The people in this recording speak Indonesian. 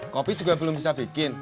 kopi juga belum bisa bikin